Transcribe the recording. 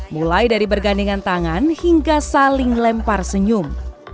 mulai dari bergandingan tangan hingga saling lempar senyum